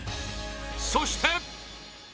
そして！